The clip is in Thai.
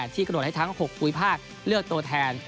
กระโดดให้ทั้ง๖ภูมิภาคเลือกตัวแทน